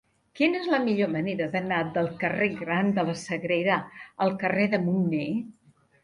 Quina és la millor manera d'anar del carrer Gran de la Sagrera al carrer de Munner?